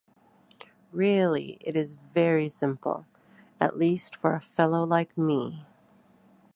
Really it is very simple; at least for a fellow like me.